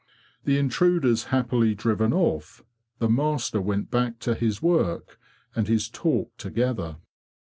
The intruders happily driven off, the master went back to his work and his talk together.